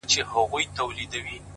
راسه د يو بل اوښکي وچي کړو نور؛